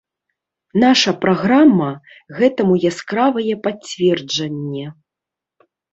Наша праграма гэтаму яскравае пацверджанне.